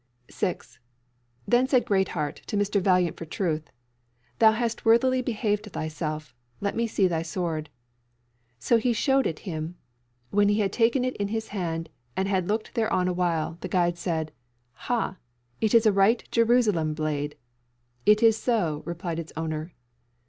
6. Then said Greatheart to Mr. Valiant for truth, "Thou hast worthily behaved thyself; let me see thy sword." So he showed it him. When he had taken it in his hand and had looked thereon a while, the guide said: "Ha! it is a right Jerusalem blade!" "It is so," replied its owner.